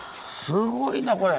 すごいなこれ。